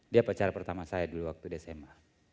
dia pacar pertama saya dulu waktu di sma